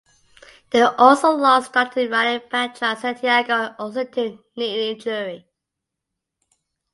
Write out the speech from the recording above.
They also lost starting running back John Santiago also to knee injury.